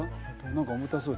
何か重たそう